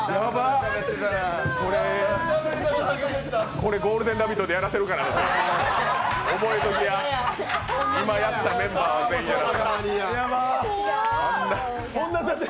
これ、「ゴールデンラヴィット！」でやらせるから覚えときや、今やったメンバーは全員やらせる。